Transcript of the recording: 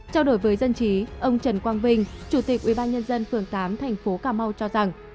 trao đổi với dân chí ông trần quang vinh chủ tịch ủy ban nhân dân phường tám thành phố cà mau cho rằng